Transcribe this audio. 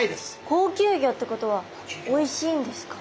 高級魚ってことはおいしいんですか？